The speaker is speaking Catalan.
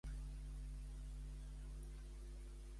Vull anar cap a Figueres, em crides un UberX a Girona aquest migdia?